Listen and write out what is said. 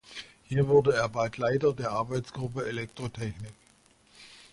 Hier wurde er bald Leiter der "Arbeitsgruppe Elektrotechnik".